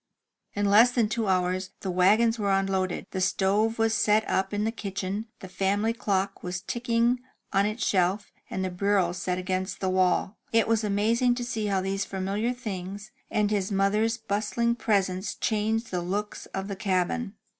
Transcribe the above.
In less than two hours the wagons were unloaded, the stove was set up in the kitchen, the family clock was ticking on its shelf, and the bureau set against the wall. It was amazing to see how these familiar things and the mother's bustling presence changed the looks of the cabin.